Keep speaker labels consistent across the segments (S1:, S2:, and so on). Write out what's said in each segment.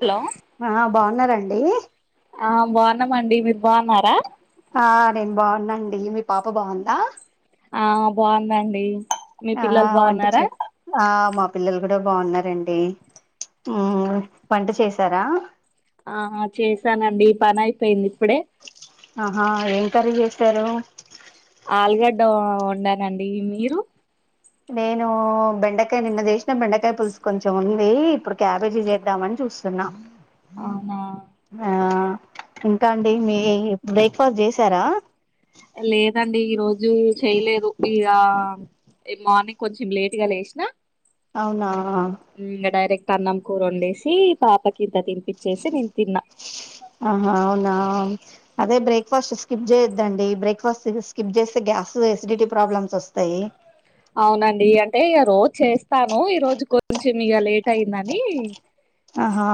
S1: Hello.
S2: హా బావున్నారా అండి.
S1: ఆ బావున్నామండి మీరు బావున్నారా.
S2: హా నేను బావున్నా అండి మీ పాప బావుందా.
S1: ఆ బావుందండి మీ
S2: ఆ
S1: పిల్లలు
S2: వంట
S1: బావున్నారా.
S2: చే ఆ మా పిల్లలు కూడా బావున్నారండి ఉ పంట చేసారా.
S1: ఆ హా చేశానండి పని అయిపోయింది ఇప్పుడే.
S2: ఆహా ఏం కర్రీ చేశారు.
S1: ఆల్గడ్డ వండాను అండి మీరూ.
S2: నేను బెండకాయ నిన్న చేసిన బెండకాయ పులుసు కొంచెం ఉంది ఇప్పుడు క్యాబేజీ చేద్దామని చూస్తున్నా.
S1: అవునా.
S2: ఆ ఇంకా అండి మీ బ్రేక్ఫాస్ట్ చేసారా.
S1: లేదండి ఈ రోజు చేయలేదు ఇగ. ఈ మార్నింగ్ కొంచెం లేట్ గా లేసినా.
S2: అవునా.
S1: హు ఇంక డైరెక్ట్ అన్నం కూర వండేసి పాపకి ఇంత తినిపిచ్చేసి నేను తిన్నా.
S2: ఆహా అవునా. అదే బ్రేక్ఫాస్ట్ స్కిప్ చేయొద్దండి బ్రేక్ఫాస్ట్ స్కిప్ చేస్తే గ్యాస్ ఎసిడిటీ ప్రాబ్లమ్స్ వస్తాయి.
S1: అవునండి అంటే ఇగ రోజు చేస్తాను ఈ రోజు కొంచెం ఇగ లేట్ అయిందని.
S2: ఆహా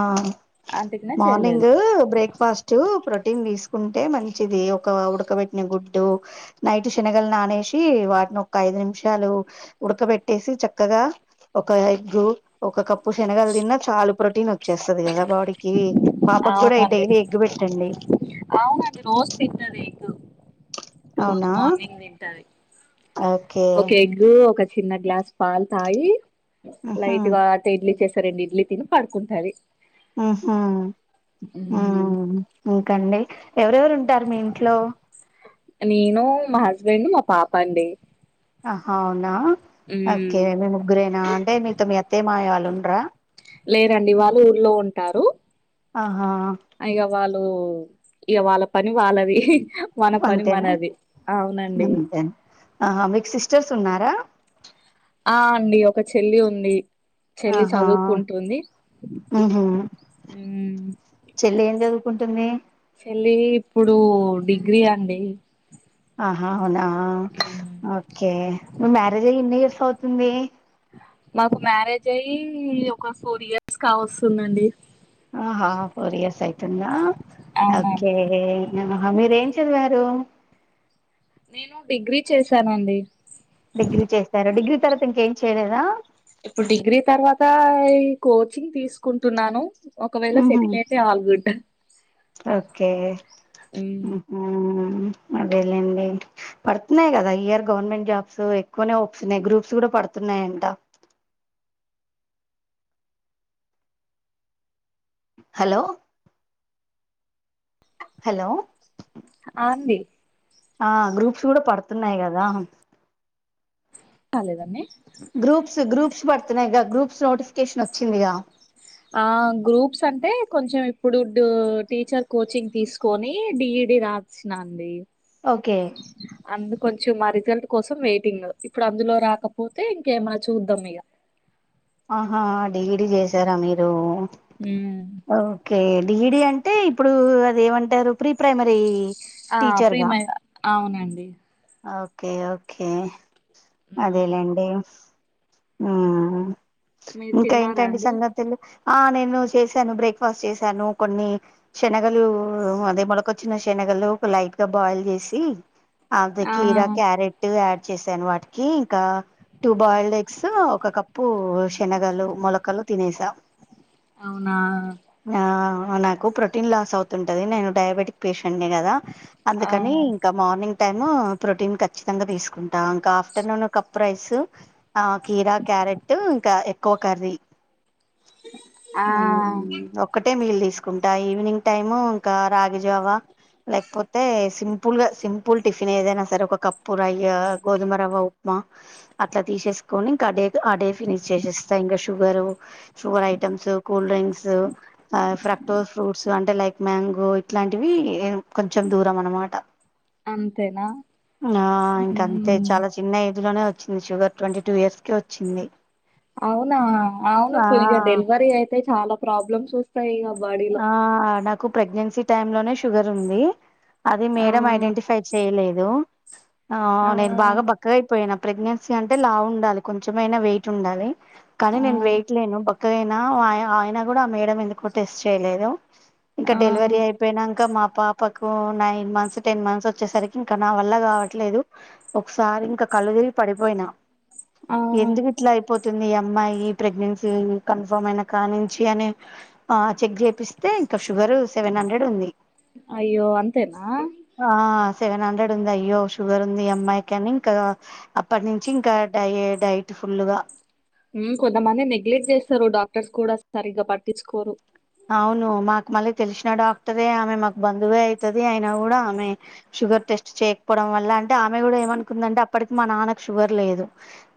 S1: అందుకనే
S2: మార్నింగ్
S1: చేయలేదు
S2: బ్రేక్ఫాస్ట్. టూ ప్రోటీన్ తీసుకుంటే మంచిది ఒక ఉడకబెట్టిన గుడ్డు. నైట్ శనగల నానేసి వాటిని ఒక్క ఐదు నిమిషాలు ఉడకబెట్టేసి చక్కగా. ఒక ఎగ్గు ఒక కప్పు శనగలు తిన్నా చాలు ప్రోటీన్ వచ్చేస్తుంది కదా బాడీకి. పాపకు కూడా డైలీ ఎగ్గు పెట్టండి.
S1: అవును అది రోజు తింటది ఎగ్గు.
S2: అవునా ఒ.
S1: ఒక ఎగ్గు ఒక చిన్న గ్లాస్ పాలు తాయి
S2: ఉహు
S1: లైట్గా. ఇడ్లీ చేస్తా రెండు ఇడ్లీ తిని పడుకుంటాది.
S2: ఊహు ఉ
S1: మ్మ్.
S2: ఇంకండి ఎవరెవరు ఉంటారు మీ ఇంట్లో.
S1: నేను మా హస్బెండ్ మా పాప అండి.
S2: అహా అవునా ఓకే
S1: మ్మ్.
S2: మీ ముగ్గురేనా అంటే మీతో మీ అత్తయ్య మావయ్య వాళ్లు ఉండరా.
S1: లేరండి వాళ్ళు ఊళ్లో ఉంటారు
S2: ఆహా
S1: ఇక వాళ్ళు ఇక వాళ్ళ పని వాళ్ళది మన పని
S2: అంతేనా
S1: మనది అవునండి
S2: ఆ మీకు సిస్టర్స్ ఉన్నారా
S1: ఆ అండి ఒక చెల్లి ఉంది చెల్లి
S2: ఆహా
S1: చదువుకుంటుంది
S2: ఉహు
S1: హుమ్
S2: చెల్లి ఏం చదువుకుంటుంది
S1: చెల్లి ఇప్పుడు డిగ్రీ అండి
S2: ఆహా అవునా ఓకే మీ మ్యారేజ్ అయ్యి ఏన్ని ఇయర్స్ అవుతుంది
S1: మాకు మ్యారేజ్ అయ్యి ఒక ఫోర్ ఇయర్స్ కావస్తుందండి
S2: ఆహా ఫోర్ ఇయర్స్ అయితుందా ఓకే
S1: అవునండి
S2: హా మీరూ ఏం చదివారు
S1: నేను డిగ్రీ చేశానండి
S2: డిగ్రీ చేసారు డిగ్రీ తర్వాత ఇంకేం చేయలేదా
S1: ఇప్పుడు డిగ్రీ తర్వాత ఈ కోచింగ్ తీసుకుంటున్నాను ఒకవేళ
S2: ఉహు
S1: సెటిల్ అయితే ఆల్ గుడ్ హుమ్
S2: హుమ్ అదేలేండి పడుతున్నాయి కదా ఈ ఇయర్ గవర్నమెంట్ జాబ్స్ ఎక్కువనే హోప్స్ ఉన్నాయి గ్రూప్స్ కూడా పడుతున్నాయంట హలో హలో
S1: ఆతీ
S2: ఆ గ్రూప్స్ కూడా పడుతున్నాయి కదా
S1: కాలేదన్ని
S2: గ్రూప్స్ గ్రూప్స్ పడుతున్నాయి గా గ్రూప్స్ నోటిఫికేషన్ వచ్చిందిగా
S1: ఆ గ్రూప్స్ అంటే కొంచెం ఇప్పుడు టీచర్ కోచింగ్ తీసుకు కొని డి ఇ డి రాసినా అండి
S2: ఓకే
S1: అందు కొంచెం మా రిజల్ట్ కోసం వెయిటింగ్ ఇప్పుడు అందులో రాకపోతే ఇంకేమనా చూద్దాం ఇక
S2: ఆహా డి ఇ డి చేసారా మీరు
S1: హుమ్
S2: ఓకే డిఇ డి అంటే ఇప్పుడు అది ఏమంటారు ప్రీ ప్రైమరీ
S1: ఆ
S2: టీచర్ గా
S1: ప్రీమ అవునండి
S2: ఓకే ఓకే
S1: మ్మ్
S2: అదేలేండి హుమ్
S1: మీరు
S2: ఇంకా
S1: తిన్నారా
S2: ఏంటండి
S1: అండి
S2: సంగతులు ఆ నేను చేశాను బ్రేక్ఫాస్ట్ చేశాను కొన్ని శనగలు అదే మొలక వచ్చిన శనగలు ఒక లైట్ గా బాయిల్ చేసి అంద్
S1: ఆ
S2: కీరా క్యారేట్ యాడ్ చేసాను వాటికి ఇంకా టూ బాయిల్డ్ ఎగ్స్ ఒక కప్పు శనగలు మొలకలు తినేశా
S1: అవునా
S2: ఆ నాకు ప్రోటీన్ లాస్ అవుతుంటది నేను డయాబెటిక్ పేషెంట్ ని కదా
S1: ఆ
S2: అందుకని ఇంకా మార్నింగ్ టైమ్ ప్రోటీన్ ఖచ్చితంగా తీసుకుంటా ఇంకా ఆఫ్టర్నూన్ కప్పు రైస్ ఆ కీరా క్యారెట్ ఇంకా ఎక్కువ కర్రీ
S1: ఆ
S2: ఒకటే మీల్ తీసుకుంట ఈవినింగ్ టైము ఇంకా రాగిజవా లేకపోతే సింపుల్ గా సింపుల్ టిఫిన్ ఏదైనా సరే ఒక కప్పు రాయ గోధుమ రవ్వ ఉప్మ అట్ల తీసేసుకొని ఇంక అడే ఆడే ఫినిష్ చేసేస్తా ఇంకా sugar sugar items cool drinks ఆ ఫ్రాక్టో ఫ్రూట్స్ అంటే లైక్ మ్యాంగో ఇట్లాంటివి కొంచెం దూరం అనమాట
S1: అంతేనా
S2: ఆ ఇంక అంతే
S1: మ్మ్
S2: చాలా చ చిన్న ఏజ్ లోనే వచ్చింది షుగర్ ట్వంటీ టూ ఇయర్స్ కే వచ్చింది
S1: అవునా అవునా
S2: ఆ
S1: కం డెలివరీ అయితే చాలా ప్రాబ్లమ్స్ వస్తాయిక బాడీలో
S2: ఆ నాకు ప్రెగ్నెన్సీ టైమ్ లోనే షుగర్ ఉంది అది
S1: ఆ
S2: మేడం ఐడెంటిఫై చేయలేదు ఆ నేను బాగ బ బక్కగా అయిపోయినా ప్రెగ్నెన్సీ అంటే లావు ఉండాలి కొంచెమైనా వెయిట్ ఉండాలి కానీ
S1: ఆ
S2: నేను వెయిట్ లేను బ బక్కగ ఆయన ఆయ కూడా మేడ ఎందుకు టెస్ట్ చేయలేదు ఇంకా
S1: ఆ
S2: డెలివరీ అయి అయిపోయినాక మా పాపకు నైన్ మంత్స్ టెన్ మంత్స్ వచ్చేసరికి ఇంక నా వల్ల కావట్లేదు ఒకసారి ఇంక కళ్ళు [unintelligible] రిగి పడిపోయినా
S1: ఆ
S2: ఎందుకు ఎట్లా అయిపోతుంది ఈ అమ్మాయి ప్రెగ్నెన్సీ కన్ఫర్మ్ అయిన కా నుంచి అని ఆ చెక్ చేపిస్తే ఇంక షుగర్ సెవెన్ హండ్రెడ్ ఉంది
S1: అయ్యో అంతేన
S2: ఆ సెవెన్ హండ్రెడ్ ఉంది అయ్యో షుగర్ ఉంది అమ్మాయికి అని ఇంక అప్పటి నుంచి ఇంకా డై డైట్ ఫుల్గ
S1: కొంతమంది నెగ్లెక్ట్ చేస్తారు డాక్టర్స్ కూడ సరిగ్గ పట్టిచుకోరు
S2: అవును మాకు మళ్ళీ తెలిసిన డాక్టరే ఆమె మాకు బంధువే అవుతది అయిన కూడ ఆమె షుగర్ టెస్ట్ చేయకపోవడం వల్ల అంటే ఆమె కూడా ఏమనుకుందంటే అప్పటికి మా నాన్నకు షుగర్ లేదు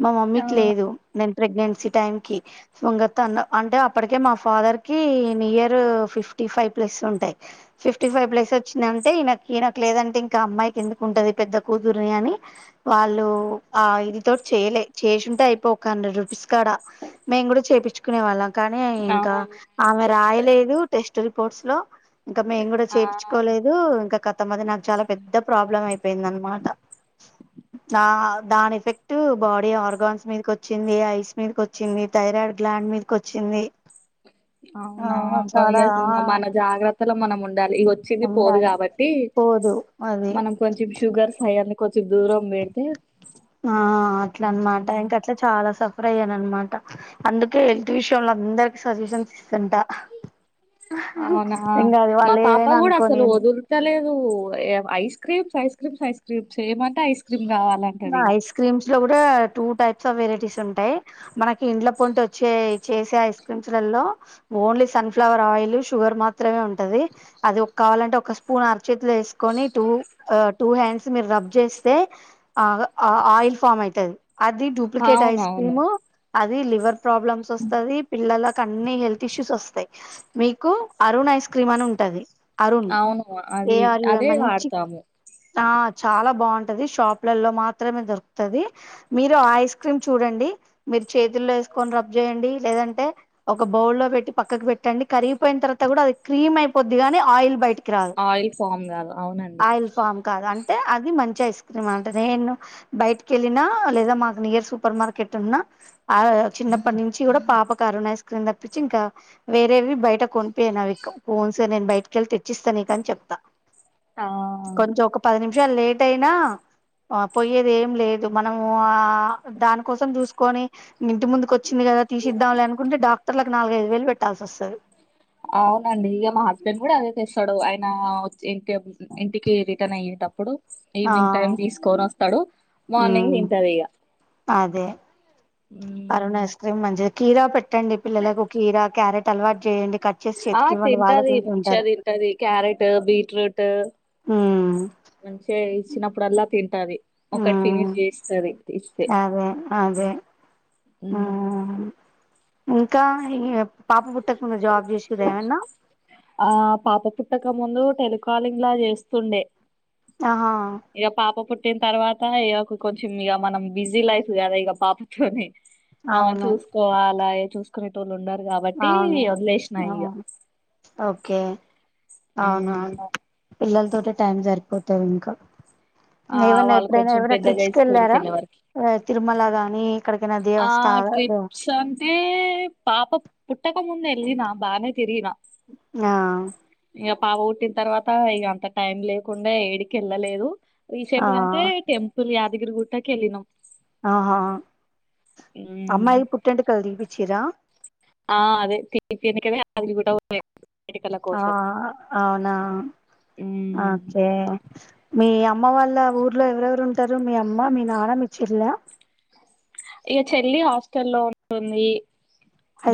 S2: మా మమ్మీకి
S1: ఆ
S2: లేదు నేను ప్రెగ్నెన్సీ టైం కి [unintelligible] అన్న అంటే అప్పటికే మా ఫాదర్ కి నియర్ ఫిఫ్టీ ఫైవ్ ప్లస్ ఉంటాయ్ ఫిఫ్టీ ఫైవ్ ప్లేస్ వచ్చిందంటే ఇనకు ఇనక లేదంటే ఇంకా అమ్మాయికి ఎందుకు ఉంటంది పెద్ద కూతురిని అని వాళ్ళు ఆయనతో చేయలే చేసింటే అయిపోయి ఒక హండ్రెడ్ రూపీస్ కాడ మేము కూడ చెపిచ్చు కునే వాళ్ళం కానీ
S1: ఆ
S2: ఇంకా ఆమె రాయలేదు టెస్ట్ రిపోర్ట్స్ లో ఇంకా మేము కూడ
S1: ఆ
S2: చేపైచుకోలే [unintelligible] ఇంకా కతం నాకు చాల పెద్ద ప్రాబ్లం అయిపోయింది అనమాట ద దాని ఎఫెక్ట్ బాడీ ఆర్గాన్స్ మీదకి వచ్చింది ఐస్ మీదకి వచ్చింది థైరాయిడ్ గ్లాండ్ [unintelligible] కొచ్చింది
S1: [unintelligible] మన జాగ్రత్తలో మనం ఉండాలి ఇగో [unintelligible] పోదు
S2: ఉండాలి
S1: కాబట్టి
S2: పోదు అది
S1: మనం కొంచెం షుగర్ ఫైర్ ని కొంచెం దూరం పెడితే
S2: ఆ అట్ల అనమాట
S1: ఉమ్,
S2: ఇంక అట్లా చాల సఫర్ అయ్యాననమాట అందుకే హెల్త్ విషయంలో అందరికి సజెషన్స్ ఇస్తుంట
S1: అవునా
S2: ఇంగ అది వాళ్ళు ఏవైన అనుకోని అని
S1: ఇస్తా లేదు ice creams ice creams ice creams ఏమంటే ఐస్ క్రీమ్ కావాల
S2: ఐస్ క్రీమ్స్ లో కూడ టూ టైప్స్ ఆఫ్ వెరైటీస్ ఉంటాయి మనకి ఇండ్ల పొంట వచ్చే చేసే ఐస్ క్రీమ్స్లలో ఓన్లీ సన్ఫ్లవర్ ఆయిల్ షుగర్ మాత్రమే ఉంటది అది ఒక కావాలంటే ఒక స్పూన్ అరచేతిలో వేసుకొని టు ఆ టూ హ్యాండ్స్ మీరు రబ్ చేస్తే ఆగా ఆ ఆయిల్ ఫామ్ అవుతది అది డూప్లికేట్ ఐస్
S1: అవునవును
S2: క్రీమ్ అది లివర్ ప్రాబ్లమ్స్ వస్తుది పిల్లలకి అన్ని హెల్త్ ఇష్యూస్ వస్తాయి మీకు అరుణ్ ఐస్ క్రీమ్ అని ఉంటది అరుణ్
S1: అవును
S2: ఏ
S1: అది
S2: ఆర్ యు ఎన్
S1: అదే
S2: మంచి
S1: వాడతాము
S2: ఆ చాలా బాగుంటది షాప్ ప్లల్లో మాత్రమే దొరుకుతది మీరు ఐస్ క్రీమ్ చూడండి మీరు చేతుల్లో వేసుకొని రబ్ చేయండి లేదంటే ఒక బౌల్ లో పెట్టి పక్కకు పెట్టండి కరిగిపోయిన తర్వాత కూడా అది క్రీమ్ అయిపోద్ది గాని ఆయిల్ బయట్ కిరాదు
S1: ఆయిల్ ఫామ్ కాదు అవునండి
S2: ఆయిల్ ఫామ్ కాదు అంటే అది మంచి ఐస్ క్రీమ్ అన్ టరేను బయటికి వెళ్ళిన లేదా మాకు నియర్ సూపర్ మార్కెట్ ఉన్నా ఆ చిన్నప్పటి నుంచి కూడా పాపకు అరుణ్ ఐస్ క్రీమ్ తక్ప్పించి ఇంకా వేరేవి బయట కొనిపోయాయిను అవి ఇక ఫోన్ సే నేను బయటికిెళ్ళి తెచ్చిస్తాను ఏ కానీ చెప్తా
S1: ఆ
S2: కొంచం ఒక పది నిమిషాలు లేట్ అయినా ఆ పోయేది ఏం లేదు మనము ఆ దానికోసం చూసుకొని ఇంటి ముందుకు వచ్చింది కదా తీసిద్దాంలే అనుకుంటే డాక్టర్లకు నాలుగ ఐదు వేలు పెట్టాల్సి వస్తది
S1: అవునండి ఇగ మా హస్బెండ్ కూడా అదే చేస్తాడు ఆయన వచ్చే ఇంకేం ఇంటికి రిటర్న్ అయ్యేటప్పుడు
S2: ఆ
S1: ఈవినింగ్ టైమ్ తీసుకొని వస్తాడు మార్నింగ్
S2: ఉమ్
S1: తింటది ఇగ ఉ
S2: జే మంచిది కీరా పెట్టండి పిల్లలకు కీరా క్యారెట్ అలవాటు చేయండి కట్ చేసి
S1: ఆ
S2: చేతికి ఇవ్వండి వాళ్ళే
S1: తింటది
S2: తింటూ
S1: మంచి గా
S2: ఉంటారు
S1: తింటది క్యారెటు, బీట్రూటు
S2: ఉ
S1: మంచి గా ఇచ్చినప్పుడు అల్లా తింటది ఒకటి
S2: ఉమ్
S1: ఫినిష్ చేస్తాది ఇస్తే
S2: అదే అదే
S1: ఉ
S2: ఉమ్ ఇంకా ఇగ పాప పుట్టక ముందు జాబ్ చేసిర్రా ఏమన్నా
S1: ఆ పాప పుట్టక ముందు టెలికాలింగ్ లా చేస్తుండే
S2: ఆహా
S1: ఇగ పాప పుట్టిన తర్వాత ఇగా కొంచెం ఇగా మనం బిజీ లైఫ్ కదా ఇగా పాపతోనే ఆమెను
S2: అవును
S1: చూసుకోవాల ఏ చూస్ పట్టుకునేటోళ్లు ఉండారు కాబట్టి
S2: అవును
S1: వదిలేసినాయి
S2: అవును
S1: ఇగా
S2: ఓకే అవునవును పిల్లలతోటే టైం సరిపోతది ఇంకా
S1: ఆ
S2: ఏమైనా
S1: వాళ్ళు
S2: ఎప్పుడైనా
S1: కొంచెం
S2: ఏమనా
S1: పెద్దగా
S2: ట్రిప్స్కి
S1: స్కూల్ కి
S2: వెళ్ళారా
S1: వెళ్ళే వరకి
S2: ఏ తిరుమల గాని ఎక్కడికన్నా దేవస్థానాలు
S1: ఏ పాప పుట్టక ముందు ఏళ్లిన బానే తిరిగిన
S2: ఆ
S1: ఇగా పాప పుట్టిన తర్వాత ఇగా అంత టైం లేకుండా ఏడికి ఏళ్ళలేదు రీసెంట్
S2: ఆ
S1: గా అంటే టెంపుల్ యాదగిరి గుట్టకి ఏళ్ళినాం
S2: ఆహా
S1: ఉమ్.
S2: అమ్మాయిది పుట్టింటికల్ తీపిచ్చిర్రా
S1: ఆ అదే తీపిచ్చిందకే అనే యాదగిరి పో
S2: ఆ అవునా
S1: హ్మ్
S2: ఓకే మీ అమ్మ వాళ్ళ ఊర్లో ఎవరెవరు ఉంటారు మీ అమ్మ మీ నాన్న మీ చెల్లె
S1: ఇగా చెల్లి హాస్టల్ లో ఉంటుంది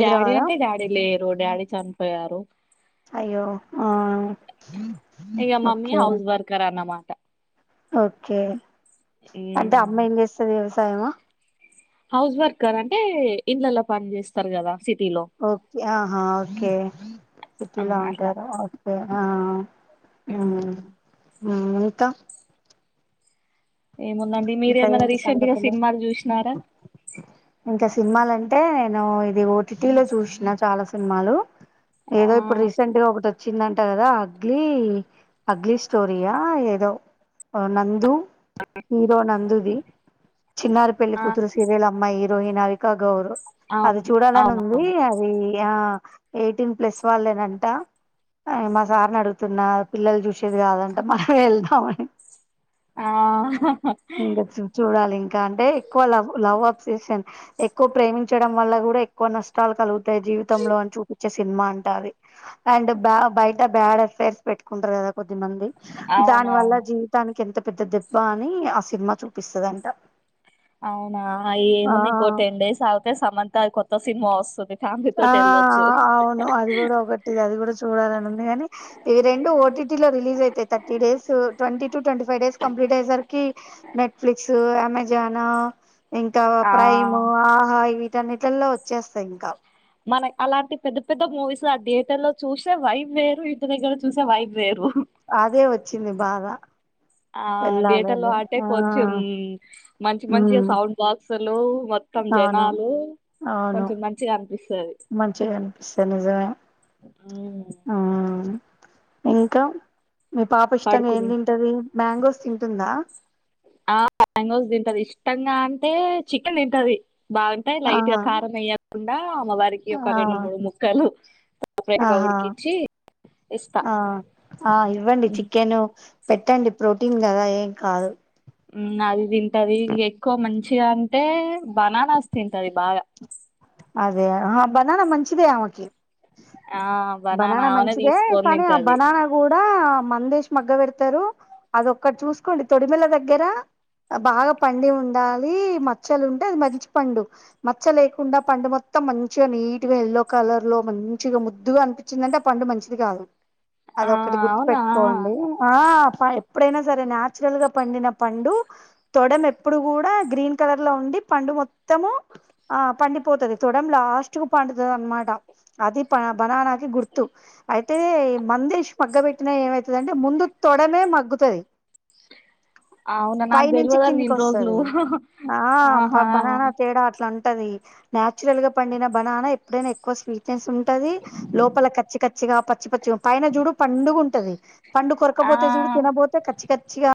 S1: డాడీ అంటే డాడీ లేరు డాడీ చనిపోయారు
S2: అయ్యో ఆ ఓకే
S1: క్కర అన్నమాట
S2: ఓకే అంటే
S1: హ్మ్
S2: అమ్మ ఏం చేస్తది వ్యవసాయమా
S1: హౌస్ వర్కర్ అంటే ఇండ్లల్ల పని చేస్తరు గదా సిటీలో
S2: ఓకే ఆహా ఓకే
S1: ఆ
S2: సిటీలో
S1: అట్లా
S2: ఉంటారా ఓకె ఆ ఆ ఆ
S1: హ్మ్
S2: ఉమ్ ఇంకా
S1: ఏముందండి మీరు
S2: ఇంకా
S1: ఏమన్న
S2: ఏంటి
S1: రీసెంట్ గ
S2: సంగతులు
S1: సినిమాలు చూసినారా
S2: ఇంక సినిమాలంటే నేను ఇది ఓ టి టీ లో చూసిన చాలా సినిమాలు
S1: ఆ
S2: ఏదో ఇప్పుడు రీసెంట్ గ ఒకటోచ్ చిందంట గదా అగ్లీ అగ్లీ స్టోరియా ఏదో నందు హీరో నందుది చిన్నారి ప్ పెళ్లి
S1: ఆ
S2: కూతురు సీరియల్ అమ్మాయి హీరోయిన్ అవికా గౌర్ అది
S1: అవును
S2: చూడాలని
S1: అవును
S2: ఉందీ అద్ ఇ ఆ ఎయిటీన్ ప్లస్ వాళ్ళేనంట మా సార్ని అడుగుతున్నా పిల్లలు చూసేది కాదంటే మనమే ఎళ్దామని
S1: ఆ
S2: ఇంకా చూడాలి ఇంక అంటే ఎక్కువ లవ్ లవ్ అప్సేషన్ ఎక్కువ ప్రేమించడం వల్ల గూడ ఎక్కువ నష్టాలు కలుగుతయి జీవితంలో అని చూపిచ్చేసి సినిమా అంట అది అండ్ బ్య బయట బ్యాడ్ అఫైర్స్ పెట్టుకుంటరు గదా కొద్దిమంది
S1: అవును
S2: దాని వల్ల
S1: అవును
S2: జీవితానికి ఎంత పెద్ద దెబ్బ అని ఆ సినిమా చూపిస్తదంట
S1: అవునా అ
S2: ఆ
S1: ఏముంది ఇంకో టెన్ డేస్ ఆగుతే సమంత కొత్త సినిమా వస్తుంది ఫ్యామిలీ
S2: ఆ
S1: తోటి వెళ్ళొచ్చు
S2: అవును అది గూడ ఒకటి అది కూడ చూడాలనుంది గని ఇవి రెండు ఓ టీ లో రిలీజ్ అయితయి, thirty days twenty to twenty five days complete అయే సరికి నెట్ఫ్లిక్స్, అమెజాన్ ఇంకా
S1: ఆ
S2: ప్రైమ్, ఆహా వీటన్నిట్లల్లో వచ్చేస్తయి ఇంకా
S1: మనక్ అలాంటి పెద్ద పెద్ద మూవీస్ ఆ థియేటర్ లో చూసే వైబ్ వేరు ఇంటి దగ్గర చూసే వైబ్ వేరు
S2: అదే వోచ్చింది బాద
S1: ఆ థియేటర్లో అంటే కొంచెం మంచి
S2: ఉమ్
S1: మంచిగ సౌండ్ బాక్సులు మొత్ తం
S2: అవును
S1: జనాలు
S2: అవును
S1: కొంచెం మంచిగనిపిస్తది
S2: మంచిగా అనిపిస్తది నిజమే
S1: ఉమ్
S2: ఆ ఇంక మీ పాప ఇష్టంగ ఏం
S1: పడుకుని
S2: తింటది మ్యాంగోస్ తింటుందా
S1: ఆ మ్యాంగోస్ తింటది ఇష్టంగా అంటే చికెన్ తింటది బాగ అంటె లైట్ గ
S2: ఆహా
S1: కారం ఎయ్యోద్ కుండా అమ్మవారికి ఒక
S2: ఆ
S1: రెండు మూడు ముక్కలు బయట
S2: ఆహా
S1: గౌడికిచ్చి
S2: ఆ ఆ ఇవ్వండి
S1: ఉమ్,
S2: చికెను పెట్టండి ప్రోటీన్ గదా ఏం కాదు
S1: ఉమ్ అది తింటది ఇగ ఎక్కువ మంచిగ అంటే బనానాస్ తింటది బాగా
S2: అదే ఆ బనాన మంచిదే ఆమెకి
S1: ఆ
S2: బనానా
S1: ఆమెనే
S2: మంచిదే
S1: తీసుకొని
S2: కనీ ఆ
S1: తింటది
S2: బనాన కూడా మందేష్ మగ్గ పెడతరు అదొక్కటి చూసుకోండి తొడిమల దగ్గర బాగా పండి ఉండాలి మచ్చలు ఉంటే అది మంచి పండు మచ్చ లేకుండ పండు మొత్తం మంచిగ నీట్గ ఎల్లో కలర్ లో మంచిగ ముద్దుగన్ పిచ్చిందంటే ఆ పండు మంచిది కాదు
S1: ఆ
S2: అదొక్కటి గుర్తు
S1: అవునా
S2: పెట్టుకోండి ఆ ఎప్పుడైనా సరే నాచురల్ గ పండిన పండు తొడెమేప్పుడు గూడ గ్రీన్ కలర్ లో ఉండి పండు మొత్తము ఆ పండిపోతది తోడేం లాస్ట్కు పండుతదన్మాట అది ప బనాన కి గుర్తు అయితే మందేశ్ మగ్గ పెట్టినయ్ ఏమైతధంటే ముందు తొడమే మగ్గుతది
S1: అవునా
S2: పై
S1: నాకు
S2: నుంచి
S1: తెల్వదని
S2: కిందికి
S1: ఇన్ని రోజులు
S2: వస్తాది ఆ ప
S1: ఆహా
S2: బనానా తేడా అట్లా ఉంటది నాచురల్ గా పండిన బనానా ఎప్పుడైనా ఎక్కువ స్వీట్నెస్ ఉంటది లోపల కచ్చి కచ్చిగా పచ్చి పచ్చిగా పైన చూడు పండుగ ఉంటంది పండు కొరకపోతే చూడు
S1: ఆ
S2: తినబోతే అంటే కచ్చి కచ్చిగా